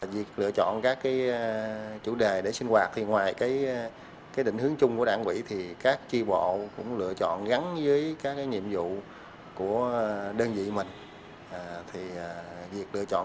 việc lựa chọn các chủ đề để sinh hoạt thì ngoài định hướng chung của đảng quỹ thì các tri bộ cũng lựa chọn gắn với các nhiệm vụ của đơn vị mình lựa chọn